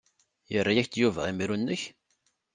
Yerra-ak-d Yuba imru-nnek?